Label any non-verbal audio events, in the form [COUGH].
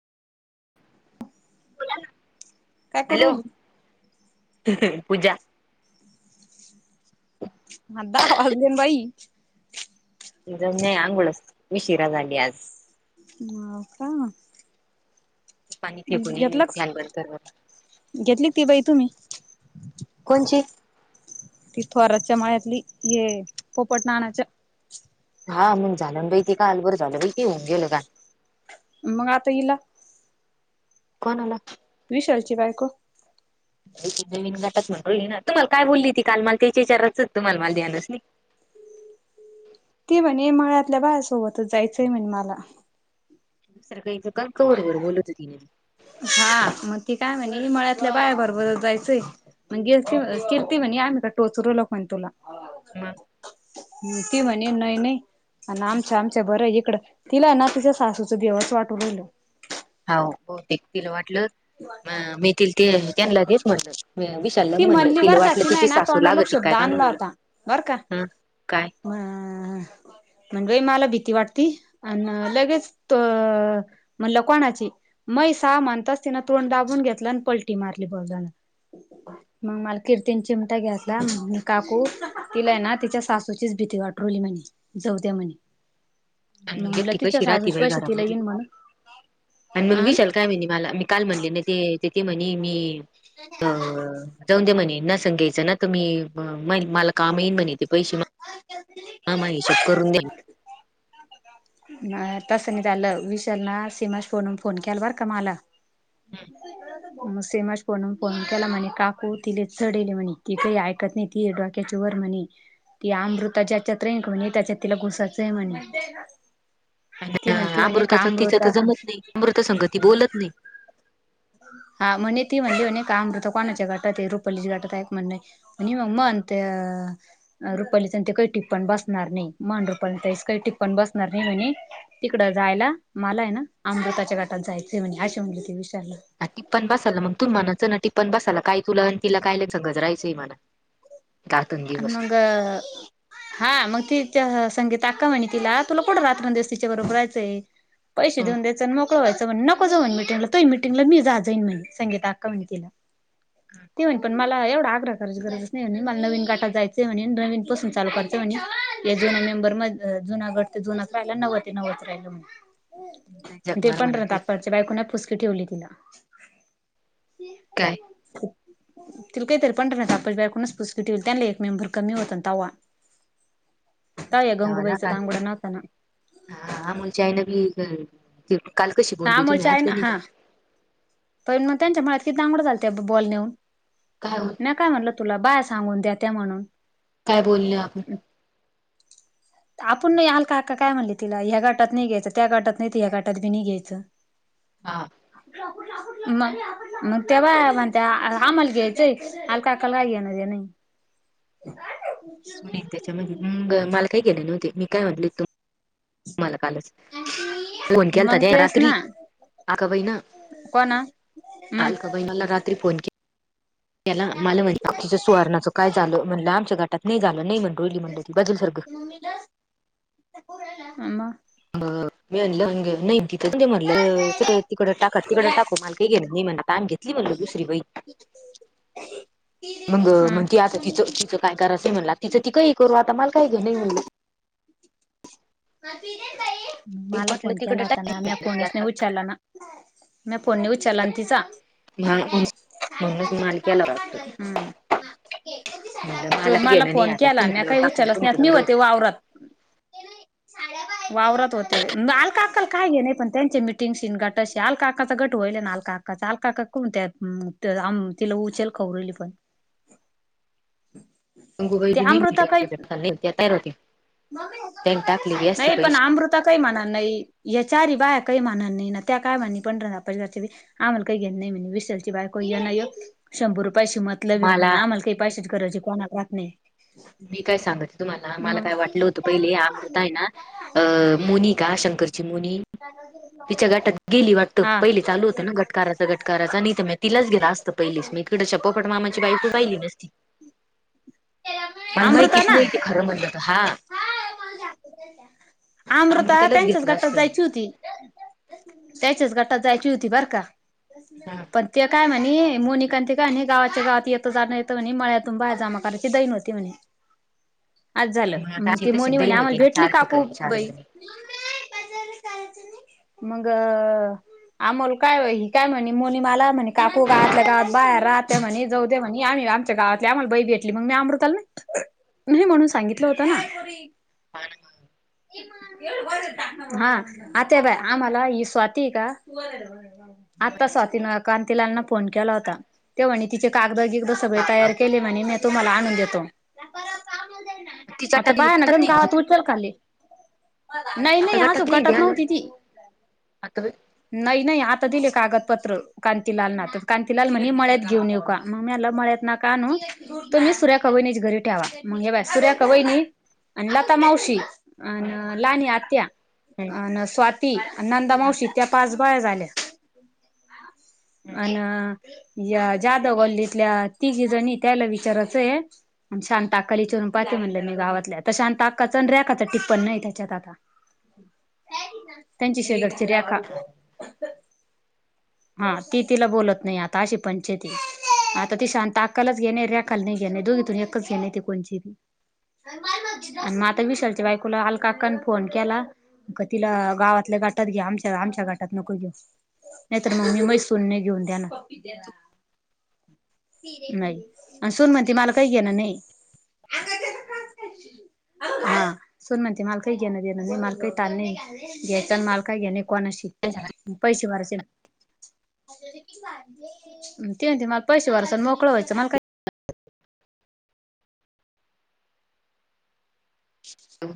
काय करू हॅलो [UNINTELLIGIBLE] पूजा आ दहा वाजले न बाई. नाही आंघोळच ऊशिरा झाली आज. [UNINTELLIGIBLE] पाणी फेकून ये घेतलाच फॅन बंद कर बरं. घेतली ती बाई तुम्ही. जी ती थोरातच्या माळ्यातली ये पोपट नाण्याच्या. हा मग झालं बाहिती का अलबर झाल बाहिती ये होऊन गेल का. मग आता हिला. कोणाला? विशालची बायको. जमीन घटात म्हणली ना तुम्हाला काय बोलली ती काल मल त्याच्या विचारच तुम्हाला माला देनस नाही. ते म्हणे माळ्यातल्या बाहेसोबतच जायचंय म्हणे मला. दुसरं काहीच का कवर बी बोलत तिने मी. हा मग ती काय म्हणे मळ्यातल्या बायाबरोबर जायचंय. मग गे ती किर्ती म्हणे आम्ही का टोचर लक म्हणे तुला. मग ह् ते म्हणे नाही नाही आणि आमच्या आमच्या बर एक तिकडं तिला ना तिच्या सासूचं देवच वाटू लाेलं हो बहुतेक तिला वाटलं. म मी त ते त्यांना तेच म्हणलं विशालला ती म्हणलं तिला वाटलं तिची सासू लागत का? आणल आता बर का? काय? ह म्हणई मला भी वाट अ लगेच म्हणलं कोणाची मै स माणतात. त्यांना तोड दाबून घेतला आणि पलटी मारली बदाना मग मला कीर्तन चिमटा घ्याेतला काकू तिला आहे ना तिच्या सासूची भथे अठ्रली म्ह जाौद्या म आणि मग एक ठठी कशी राह बाई घरामध म्हणून आणि मग विशल अ काय म्ह मला मी काल म्हणले ना ते तेथ म्हणे मी अ जाऊन ते म्हणे. न सांगायचं ना तुम्ही मला काम येईन म्हणित [UNINTELLIGIBLE] करून द्या तस नाही झालं विशाल ना सीमाश फोनून फोन केला बर का मला हां. मग सेमाज पोून फोन केला म्हणे काकू तिले चढेले म्हणे की काही ऐकत नाही ती डोक्याची व म्हणे ती अमृता ज्याच्यात म्हणे त्याच्यात तिला घुसाचं आहे म्हणे. ती म्हणते म्हणे अमृता का तिच तर जमत नाही अमृता संगती बोलत नाही. हा म्हणे ती म्हणली म्हणे काय अमृत कोणाच्या गाटात रुपालीच्या गाटात म्हण म्ह मग रुपाली काहीपण बसणार नाही मान रुपा काहीपपण बसणार नाही. म्हणे तिकडं जायला मलाय ना अमृताच्या गटात जायचे म्हणे असे म्हटले ते विचारला टिप बसायला मग तू म्हणाच ना टिपण बसायला काय तुला आणि तिला काय ल सगजराहायचंय म्हणा. घातून दिवस मग हा मग तीच्या संगी ताका म्हणे तिला तुला कोण रात्रंदवस तच्या बबरयचय पैसे ह देऊन दयच आणि मोकळ व्हायच. न म्हंग तटिंगला मी जान म्ह संी म्ह मला एवढा आग्रह करची गरज नाही आहे मला नवीन का? य म्हणे नवीन पासून लूरा म्हणे या जु मेंबर म जुगड ते जुना राला नव. न होत राहिल म ते जगमार पण म्हणा र तू तप्पाळच्या बाई कुणा फुसकी ठेवली तिला काय? तिला काहीतरी पण ना आपल्या बार कोूनच पुसकिटी हो त्यां. मेंबर कमी होत तवा तवा या वा गंगूबाईचा ख दांगडा नव्हता ना. हाा मुलई नी हा मुच्या आहे ना हा पण मग त्यांच्या म कि दांगड चालत बोल नऊ काय हो- न काय म्हटलं तुला बाय सांगून द्या त्या म्हणून काय बोलल आपण आपण नाही हलका हक्का काय म्हणली तिला ह्या गाटात नाही घ्यायचं त्या गाटात नाही ह्या गाटात बी नाही घ्यायचं. हा. हो. मग मग तेव्हा म्हणत आम्हाला घ्यायचंय हलका हकालका घेणार नाही. ह. सुनील त्याच्यामध्ये मग मला काही गेलं नव्हते मी काय म्हटले त मला ल फोन केलता मग तेच रात्री ना आका बाई ना. कोणा हम्म अलका बहिणाला रात्री फोन केला. त्याला मला म्हणजे तूच्या सुरवारणाचं काय झालं? म्हणलं आमच्या गट नाही झालं नाही म्हण रोली म्हणत होती बदल सारखं. [INAUDIBLE] [INAUDIBLE] [UNINTELLIGIBLE] म्हटलं चल तिकडं टाका तिकडं टाकू मला काही गेलं मी म्हण [UNINTELLIGIBLE] घेतली म्हटल दुसरी बाई. मग हम्म म्हणती आता तिच तिच काय करायचं मला? तिचं ती कहीही करू आता मला काही घेणं देण नाही म्हणलं. मला तिला पटलं फोन केला तिकडं होता ना टाक मी फोनच नाही उचारला ना. मी फोन नाही उचलला तिचा. म्हणलं म्हणूनच माल केला वाटतं म्हणलं मला घेणं [INAUDIBLE] नाही फोन आता केला आणि कुणीकडं काही टाकून उचलाच कुणीकडं नाही र होते वावरात. वावरात होते अलका अक्काला काय आहे नाही पण त्यांचे मिटिंगशी गटाशी अलका अक्काचा गट व्हाईलाय ना अलका अक्काचं कोणत्या तिला उचेल खौरली पण. [INAUDIBLE] व्हय ते भी नाय अमृता काही म्हंटली त्याला [INAUDIBLE] नाही पण अमृता काही म्हणार नाही या चारी बाया काही म्हणार नाही ना त्या काय म्हणे [INAUDIBLE] आम्हाला काही घेण नाही म्हणे विशलची बायको य न यो शंभर रुपय पैसेशी मतलबी म्हणे मला आम्हाला काही पैसेच गरजे कोणालाच नाही. मी काय सांगय तुम्हाला मला मग काय वाटलं होतं पहिले अमृता आहे ना अ मोनीका शंकर ची मुनी तिच्या गटात गेली वाटतं हा पहिली चालू होत ना गटकाराच गटकाराच आणि तर तिलाच गेला असतं पहिलीच इकडच्या पोपट मामाची बाई खूप आहिली नसती. [UNINTELLIGIBLE] मला अमृता माहितीच ना नाही क खरं म्हलंत हा. अमृता अमृतालाच त्यांच्याच घेतलं गटात असतं जायची होती. त्याच्याच गटात जायची होती बर का पण ते काय म्ह णे मोनिका ते काय गावाच्या गावात येतं जाण येतं म्हणे मळ्यातून बाहेर जामा करायची दई नव्हती म्हणे. आज झालं आता मग ती तशी मोनी म्हणे आम्हाला दहीमती भेटली चार काकू ठिकाणी चार बाई जणी मग आमोल काय व काय म्हणें मोनी मला म्हणे काकू गावातल्या गावात बाहेर राहते म्हणें जाऊदे म्हणे आम्ही आमच्या गावातल्या आम्हाला बाई भेटली मग मी अमृताल नाही म्हणून सांगितलं हो ना. [INAUDIBLE] हा आता बाय आम्हाला ही स्वाती का? आता स्वातीन कांतिलांना फोन केला होता ते म्हणे तिचे कागद जे सगळे तयार केले म्हणे मी तुम्हाला आणून देतो. तिच्या आता बाय ना तिच्यात गन नाही गावत उचल खाल्ली. नाही आता नाही आजून ते गटात नव्हती अजून ती. नाही नाही आता दिले कागदपत्र का ला कांतीलाल म्हणे मळ्यात घेऊन येऊ का मग मी म्हणाल मळ्यात नाको आणू तुम्हीच सुरेखा वहिनी घरी ठेवा मग हे सुरेखा वहिनी आणि लता मावशी अन लाली आत्या अन स्वाती नंदा मावशी त्या पाच बाया झाल्या अन. या जाधाव गल्लीतल्या तिघी जणी त्याला विचारायचंय शांता अकाला विचायरून पाहा म्हनल मी गावातल्या शांताकाच रेखाच टिप्पण नाही त्याच्यात आता त्यांची शेजारची रेखा. हा ती तिला बोलत नाही आता अशी पंचतये आता ती शांत अक्कालाच घेणे रेखाला नाही घेणे दोघी तून एकच घेणे ते कोणची बी. आणि मग आता विशालच्या बायकोला अलकाकाने फोन केला तिला गावातल्या गाटात घ्या आमच्या आमच्या गाटात नको घेऊ. नाही तर मग मी मग सूनने घेऊन देणार. नाही आणि सून म्हणते मला काही घेन नाहीये. [UNINTELLIGIBLE] हा सून म्हणते मालकाही घेणार देणार मी मालकाही टालणे घ्यायचा आणि मालका घ्याणे. कोणाशी आता पैसे भरयचे ते ते मला पैसे भराचे आणि मोकळं व्हायचं मला काय.